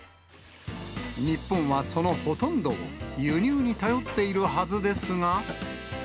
日本はそのほとんどを輸入に頼っているはずですが。